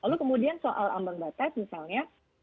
lalu kemudian soal ambang batas misalnya